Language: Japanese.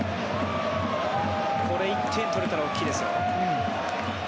これ１点取れたら大きいですよ。